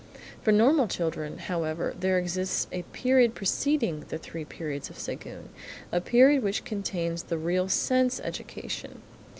For normal children however there exists a period preceding the Three Periods of Séguin–a period which contains the real sense education.